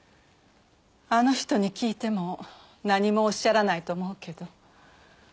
あの人に聞いても何もおっしゃらないと思うけど。